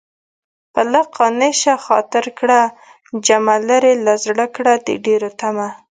په لږ قانع شه خاطر کړه جمع لرې له زړه کړه د ډېرو طمع